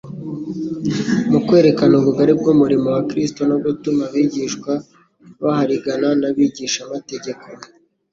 mu kwerekana ubugari bw'umurimo wa Kristo no gutuma abigishwa baharigana n'abigishamategeko,